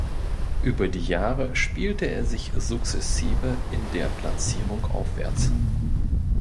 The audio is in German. Über die Jahre spielte er sich sukzessive in der Platzierung aufwärts.